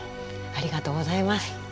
ありがとうございます。